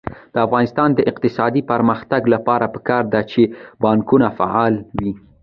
د افغانستان د اقتصادي پرمختګ لپاره پکار ده چې بانکونه فعال وي.